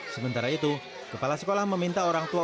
sementara itu kepala sekolah meminta orang tua